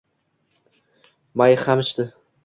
May hamichdi